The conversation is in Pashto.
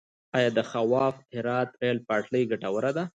آیا د خواف - هرات ریل پټلۍ ګټوره ده؟